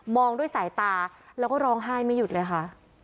องด้วยสายตาแล้วก็ร้องไห้ไม่หยุดเลยค่ะ